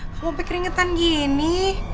kamu sampai keringetan gini